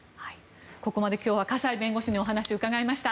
ここまで今日は河西弁護士にお話を伺いました。